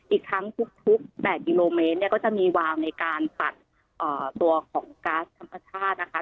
อีกทั้งทุก๘กิโลเมตรเนี่ยก็จะมีวาวในการตัดตัวของก๊าซธรรมชาตินะคะ